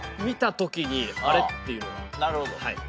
見たときに「あれ？」っていうのは。